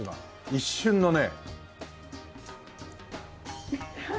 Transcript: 一瞬のね。